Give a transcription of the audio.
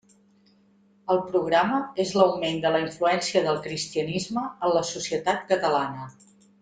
El programa és l'augment de la influència del cristianisme en la societat catalana.